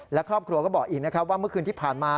และครอบครัวก็บอกอีกนะครับว่าเมื่อคืนที่ผ่านมา